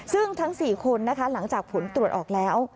ซึ่งทั้ง๔คนนะคะหลังจากผลตรวจออกแล้ว